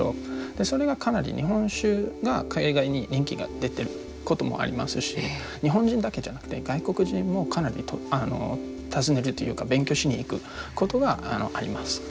それがかなり日本酒が海外に人気が出てることもありますし日本人だけじゃなくて外国人もかなり訪ねるというか勉強しに行くことがあります。